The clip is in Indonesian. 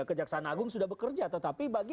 kejaksaan agung sudah bekerja tetapi bagi